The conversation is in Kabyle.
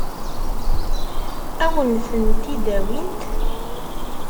Ad wen-tent-id-awint?